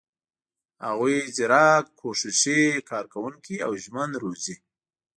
هغوی زیرک، کوښښي، کارکوونکي او ژمن روزي.